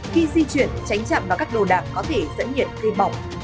khi di chuyển tránh chạm vào các đồ đạc có thể dẫn nhiệt cây bỏng